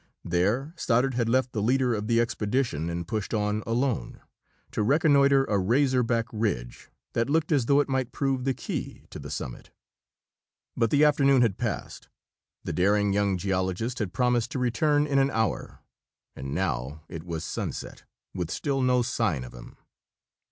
There Stoddard had left the leader of the expedition and pushed on alone, to reconnoiter a razor back ridge that looked as though it might prove the key to the summit. But the afternoon had passed; the daring young geologist had promised to return in an hour; and now it was sunset, with still no sign of him.